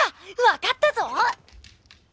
わかったぞ！